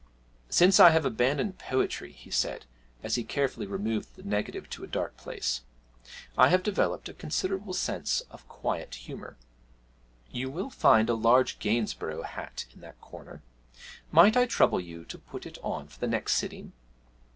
'Since I have abandoned poetry,' he said as he carefully removed the negative to a dark place, 'I have developed a considerable sense of quiet humour. You will find a large Gainsborough hat in that corner might I trouble you to put it on for the next sitting?'